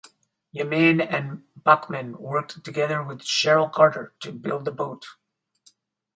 Yamane and Bachman worked together with Cheryl Carter to build the boat.